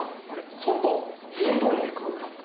外に行く。